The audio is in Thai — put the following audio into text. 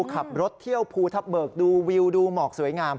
ขับรถเที่ยวภูทับเบิกดูวิวดูหมอกสวยงาม